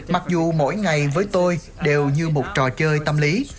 mặc dù mỗi ngày với tôi đều như một trò chơi tâm lý